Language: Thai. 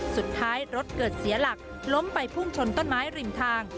สุดท้ายรถเกิดเสียหลักล้มไปพุ่งชนต้นไม้ริมทาง